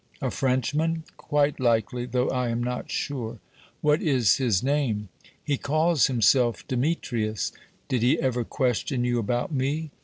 "A Frenchman?" "Quite likely, though I am not sure." "What is his name?" "He calls himself Demetrius." "Did he ever question you about me?"